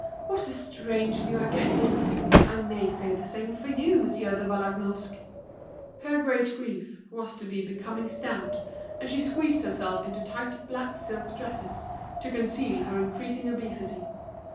"What a stranger you are getting. I may say the same for you, Monsieur de Vallagnosc." Her great grief was to be becoming stout, and she squeezed herself into tight black silk dresses, to conceal her increasing obesity.